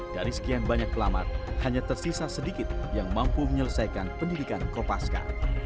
dari sekian banyak pelamat hanya tersisa sedikit yang mampu menyelesaikan pendidikan kopaska